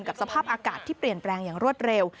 สภาพอากาศที่เปลี่ยนแปลงอย่างรวดเร็ว